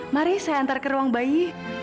mari saya antar ke ruang bayi